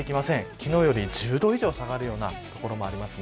昨日より１０度以上下がるような所もあります。